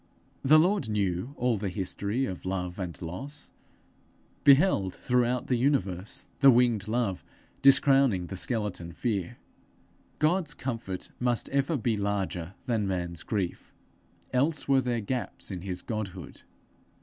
The Lord knew all the history of love and loss; beheld throughout the universe the winged Love discrowning the skeleton Fear. God's comfort must ever be larger than man's grief, else were there gaps in his Godhood.